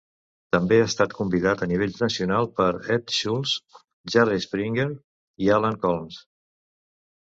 També ha estat convidat a nivell nacional per Ed Schultz, Jerry Springer i Alan Colmes.